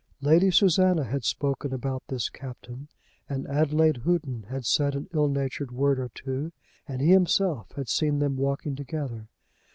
Lady Susanna had spoken about this Captain, and Adelaide Houghton had said an ill natured word or two, and he himself had seen them walking together.